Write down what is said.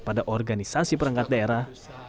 pada organisasi perangkat daerah